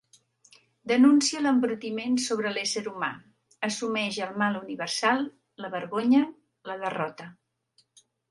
Denuncia l'embrutiment sobre l'ésser humà, assumeix el mal universal, la vergonya, la derrota.